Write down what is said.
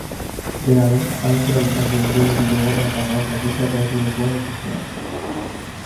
Dena den, abenturak izan duen duelurik gogorrenetakoak bakoitza bere lekuan utzi zuen.